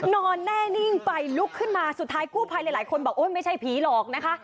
นอนแน่นิ่งไปลุกขึ้นมาสุดท้ายกู้ภัยหลายคนบอกโอ๊ยไม่ใช่ผีหรอกนะคะ